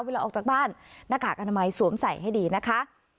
เวลาออกจากบ้านหน้ากากอนามัยสวมใส่ให้ดีนะคะ